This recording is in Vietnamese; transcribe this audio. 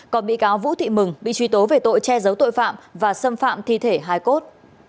còn bị cáo vũ thị mừng bị truy tố về tội che giấu tội phạm và xâm phạm thi thể hai cốt